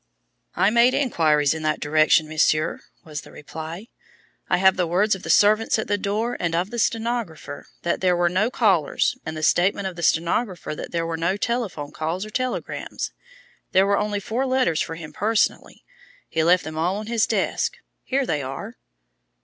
"I made inquiries in that direction, Monsieur," was the reply. "I have the words of the servants at the door and of the stenographer that there were no callers, and the statement of the stenographer that there were no telephone calls or telegrams. There were only four letters for him personally. He left them all on his desk here they are."